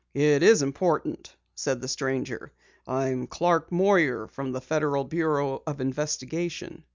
"It is important," said the stranger. "I am Clark Moyer, from the Federal Bureau of Investigation."